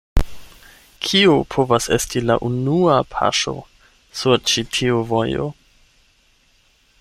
Kiu povas esti la unua paŝo sur ĉi tiu vojo?